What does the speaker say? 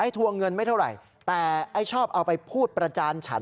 ทวงเงินไม่เท่าไหร่แต่ไอ้ชอบเอาไปพูดประจานฉัน